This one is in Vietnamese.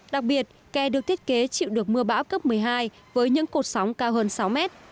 đặc biệt kè được thiết kế chịu được mưa bão cấp một mươi hai với những cột sóng cao hơn sáu mét